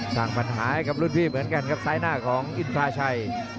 สร้างปัญหาให้กับรุ่นพี่เหมือนกันครับซ้ายหน้าของอินทราชัย